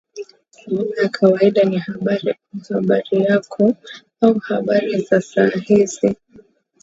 Salamu ya kawaida ni Habari au Habari yako au Habari za saa hizi